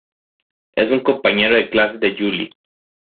Es un compañero de clases de Juli.